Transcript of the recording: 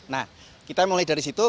nah kita mulai dari situ